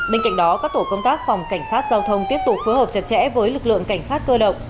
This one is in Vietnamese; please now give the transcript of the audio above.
bên cạnh đó các tổ công tác phòng cảnh sát giao thông tiếp tục phối hợp chặt chẽ với lực lượng cảnh sát cơ động